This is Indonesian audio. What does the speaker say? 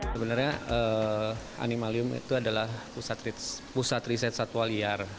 sebenarnya animalium itu adalah pusat riset satwa liar